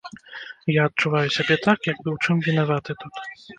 Я адчуваю сябе так, як бы ў чым вінаваты тут.